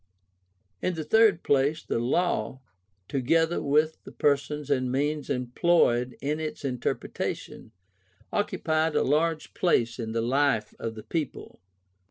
In the third place the Law, together with the persons and means employed in its interpretation, occupied a large place in the life of the people.